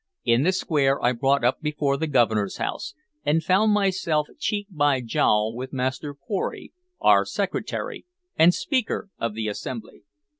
In the square I brought up before the Governor's house, and found myself cheek by jowl with Master Pory, our Secretary, and Speaker of the Assembly.